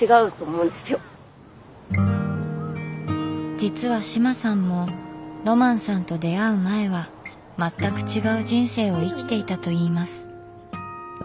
実は志麻さんもロマンさんと出会う前は全く違う人生を生きていたといいます。